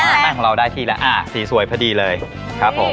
แป้งของเราได้ที่แล้วอ่าสีสวยพอดีเลยครับผม